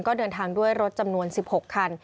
ก็เดินทางด้วยรถจำนวน๑๖คัน